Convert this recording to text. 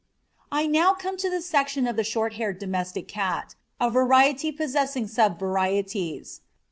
I now come to the section of the short haired domestic cat, a variety possessing sub varieties.